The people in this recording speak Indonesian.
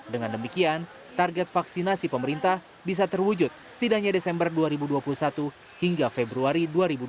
dengan demikian target vaksinasi pemerintah bisa terwujud setidaknya desember dua ribu dua puluh satu hingga februari dua ribu dua puluh